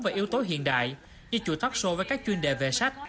và yếu tố hiện đại như chuột talk show với các chuyên đề về sách